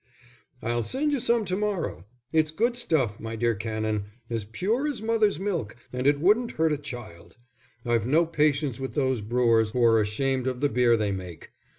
"I'll send you some to morrow. It's good stuff, my dear Canon as pure as mother's milk, and it wouldn't hurt a child. I've no patience with those brewers who are ashamed of the beer they make.